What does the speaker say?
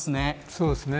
そうですね。